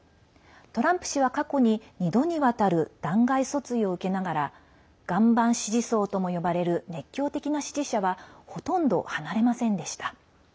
トランプ氏は過去に２度にわたる弾劾訴追を受けながら岩盤支持層とも呼ばれる熱狂的な支持者はほとんど離れませんでした。